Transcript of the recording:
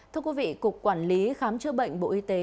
thưa quý vị cục quản lý khám chữa bệnh bộ y tế